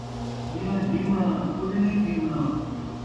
میاں جیوݨاں ، کجھ نئیں تھیوݨاں